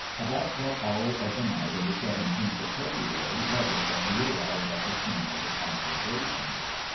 About what hour of the night of the 17th of Feb ruary was it that you arrived at the scene of the con flagration